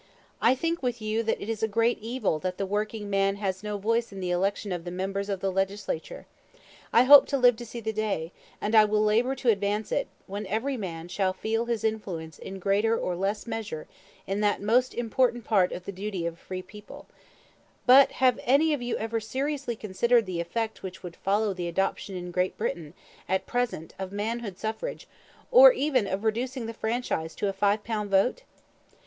I think with you that it is a great evil that the working man has no voice in the election of the members of the Legislature. I hope to live to see the day and I will labour to advance it when every man shall feel his influence in greater or less measure in that most important part of the duty of a free people; but have any of you ever seriously considered the effect which would follow the adoption in Great Britain, at present, of manhood suffrage, or even of reducing the franchise to a five pound vote?"